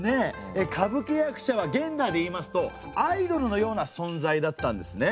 歌舞伎役者は現代でいいますとアイドルのような存在だったんですね。